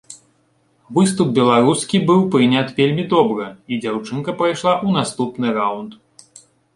Выступ беларускі быў прыняты вельмі добра, і дзяўчынка прайшла ў наступны раўнд.